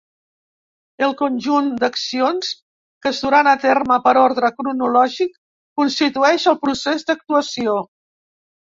El conjunt d'accions que es duran a terme per ordre cronològic constitueix el procés d'actuació.